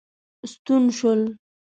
ستون شول.